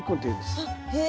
あっへえ！